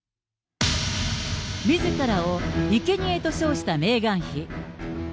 みずからをいけにえと称したメーガン妃。